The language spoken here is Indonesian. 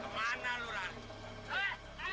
kemana lu laras